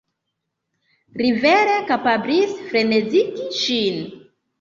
Li vere kapablis frenezigi ŝin.